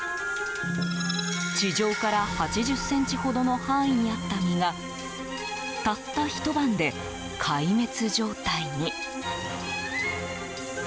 地上から８０ｃｍほどの範囲にあった実がたったひと晩で、壊滅状態に。